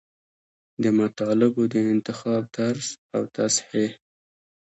د مطالبو د انتخاب طرز او تصحیح.